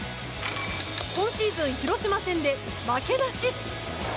今シーズン、広島戦で負けなし！